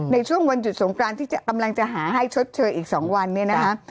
ในช่วงวันหยุดสงกรานที่กำลังจะหาให้ชดเชยอีก๒วันเนี่ยนะคะ